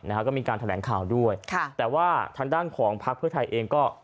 นะครับก็มีการแถลงคาวด้วยค่ะแต่ว่าทางด้านของพระพธิไทยเองก็